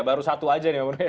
baru satu aja nih